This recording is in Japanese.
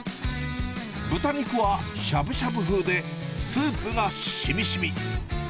豚肉はしゃぶしゃぶ風で、スープが染み染み。